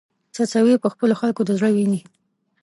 څڅوې په خپلو خلکو د زړه وینې